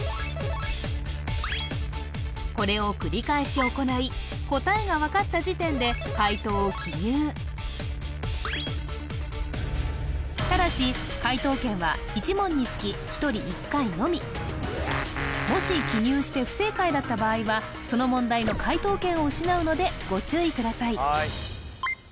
これを繰り返し行い答えが分かった時点で解答を記入ただし解答権は１問につき１人１回のみもし記入して不正解だった場合はその問題の解答権を失うのでご注意ください